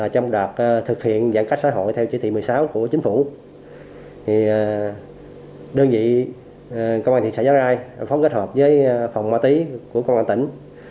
trong đợt thực hiện giãn cách xã hội theo chỉ thị một mươi sáu của chính phủ đơn vị công an thị xã giá rai phóng kết hợp với phòng ma tí của công an tỉnh